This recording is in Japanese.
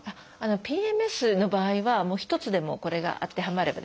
ＰＭＳの場合は一つでもこれが当てはまればですね。